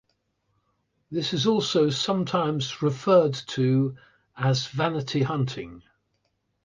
This is also sometimes referred to as vanity hunting.